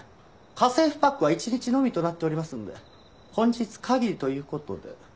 家政婦パックは一日のみとなっておりますので本日限りという事で。